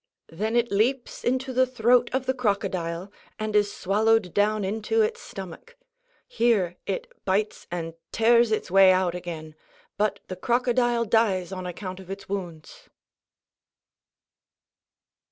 Then it leaps into the throat of the crocodile and is swallowed down into its stomach. Here it bites and tears its way out again, but the crocodile dies on account of its wounds.